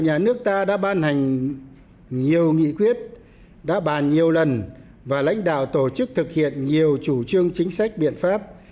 nhà nước ta đã ban hành nhiều nghị quyết đã bàn nhiều lần và lãnh đạo tổ chức thực hiện nhiều chủ trương chính sách biện pháp